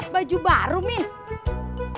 baju baru min